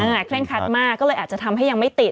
เคร่งคัดมากก็เลยอาจจะทำให้ยังไม่ติด